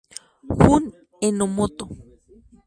Jun Enomoto